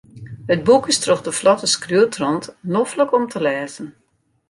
It boek is troch de flotte skriuwtrant noflik om te lêzen.